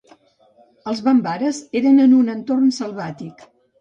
Els bambares eren en un entorn selvàtic.